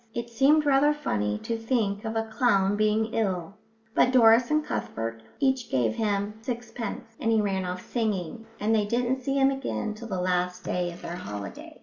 It seemed rather funny to think of a clown being ill, but Doris and Cuthbert each gave him sixpence, and he ran off singing, and they didn't see him again till the last day of their holiday.